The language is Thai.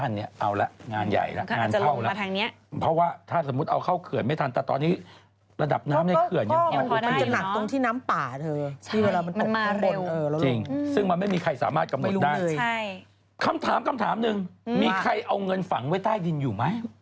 จะถามว่าเพื่อนทำอะไรกันอยู่